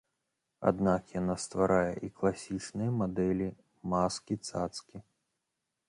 Аднак яна стварае і класічныя мадэлі, маскі, цацкі.